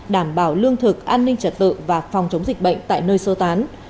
đảm bảo lương thực an ninh trật tự và phòng chống dịch bệnh tại nơi sơ tán